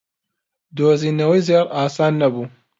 دۆزینەوەی زێڕ ئاسان نەبوو.